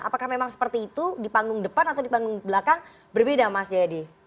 apakah memang seperti itu di panggung depan atau di panggung belakang berbeda mas jayadi